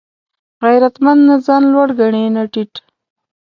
غیرتمند نه ځان لوړ ګڼي نه ټیټ